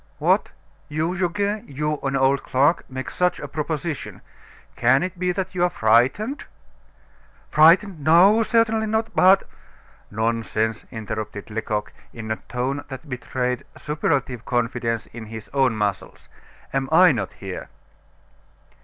"What! you Goguet, you, an old clerk make such a proposition! Can it be that you're frightened?" "Frightened! No, certainly not; but " "Nonsense!" interrupted Lecoq, in a tone that betrayed superlative confidence in his own muscles; "Am I not here?"